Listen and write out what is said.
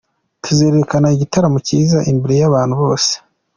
Tuzerekana igitaramo cyiza imbere y’abantu bose.